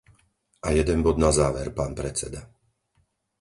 A jeden bod na záver, pán predseda.